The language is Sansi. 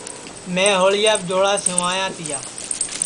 میں ہوݪیاپ جوڑا سیواں تیا